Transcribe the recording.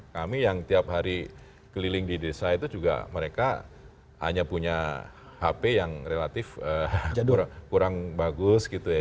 kami yang tiap hari keliling di desa itu juga mereka hanya punya hp yang relatif kurang bagus gitu ya